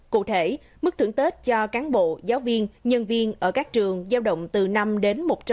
cụ thể mức thưởng tết cho cán bộ giáo viên nhân viên ở các trường giao động từ chín h ba mươi đến một mươi h ba mươi